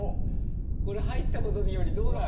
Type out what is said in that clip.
これ入ったことによりどうなる？